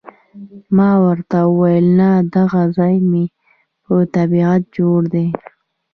ما ورته وویل، نه، دغه ځای مې په طبیعت جوړ دی.